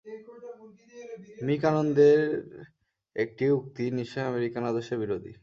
Me কানন্দের একটি উক্তি নিশ্চয়ই আমেরিকান আদর্শের বিরোধী।